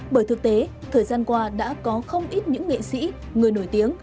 bởi thực tế thời gian qua đã có không ít những nghệ sĩ người nổi tiếng